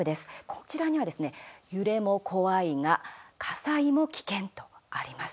こちらにはですね、揺れも怖いが火災も危険とあります。